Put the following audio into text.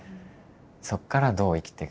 そっからどう生きていくか。